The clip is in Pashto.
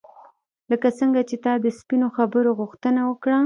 لکه څنګه چې تا د سپینو خبرو غوښتنه وکړه.